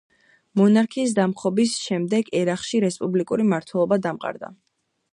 მონარქიის დამხობის შემდეგ ერაყში რესპუბლიკური მმართველობა დამყარდა.